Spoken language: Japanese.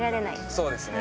そうですね。